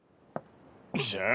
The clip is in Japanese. じゃあ